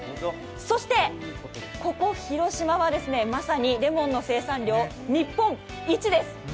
そして、ここ広島はまさにレモンの生産量日本一です。